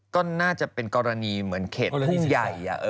ก็น่าจะเป็นกรณีเหมือนเขตพื้นที่ใหญ่